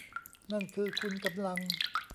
นั่นคือคุณกำลัง